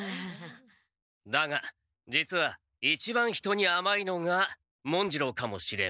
だが実は一番人にあまいのが文次郎かもしれん。